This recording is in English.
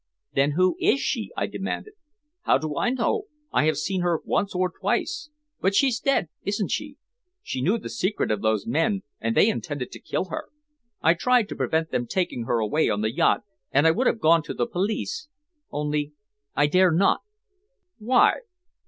"Then who is she?" I demanded. "How do I know? I have seen her once or twice. But she's dead, isn't she? She knew the secret of those men, and they intended to kill her. I tried to prevent them taking her away on the yacht, and I would have gone to the police only I dare not." "Why?"